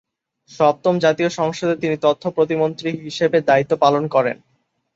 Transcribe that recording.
সপ্তম জাতীয় সংসদে তিনি তথ্য প্রতিমন্ত্রী হিসেবে দায়িত্ব পালন করেন।